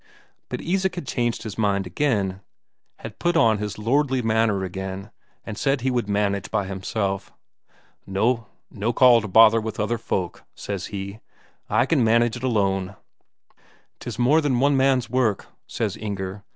But Isak had changed his mind again; had put on his lordly manner again, and said he would manage by himself. "No call to bother with other folk," says he; "I can manage it alone." "'Tis more than one man's work," says Inger.